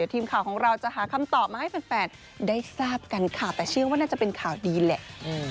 ทีมข่าวของเราจะหาคำตอบมาให้แฟนได้ทราบกันค่ะแต่เชื่อว่าน่าจะเป็นข่าวดีแหละ